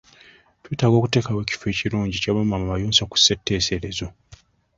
twetaaga okuteekawo ekifo ekirungi ekya bamaama abayonsa ku ssetteeserezo.